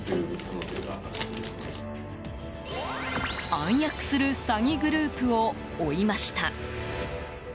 暗躍する詐欺グループを追いました。